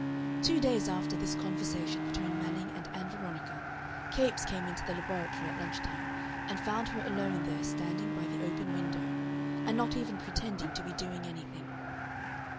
Two days after this conversation between Manning and Ann Veronica, Capes came into the laboratory at lunch time and found her alone there standing by the open window, and not even pretending to be doing anything.